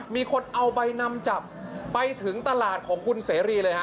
มีคนเอาใบนำจับไปถึงตลาดของคุณเสรีเลยฮะ